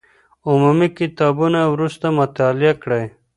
عمومي کتابونه وروسته مطالعه کړئ.